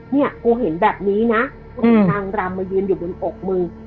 เนี่ยกูเห็นแบบนี้นะกูเห็นนางรำมายืนอยู่บนอกมึง